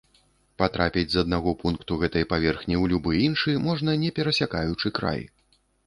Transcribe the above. Патрапіць з аднаго пункту гэтай паверхні ў любы іншы можна, не перасякаючы край.